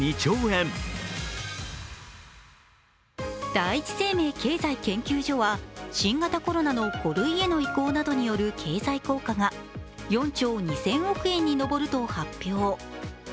第一生命経済研究所は新型コロナの５類への移行などによる経済効果が４兆２０００億円に上ると発表。